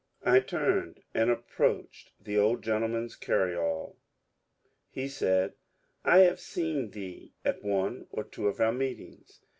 I turned and approached the old gentleman's carriole. He said, ^' I have seen thee at one or two of our meetings.